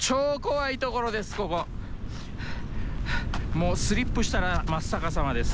もうスリップしたら真っ逆さまです。